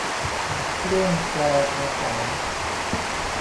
เครื่องแปลภาษา